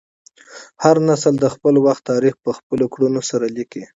هر نسل د خپل وخت تاریخ په خپلو کړنو سره لیکي.